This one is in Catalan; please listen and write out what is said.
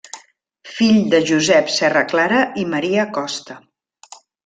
Fill de Josep Serraclara i Maria Costa.